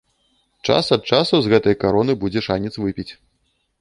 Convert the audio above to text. Час ад часу з гэтай кароны будзе шанец выпіць.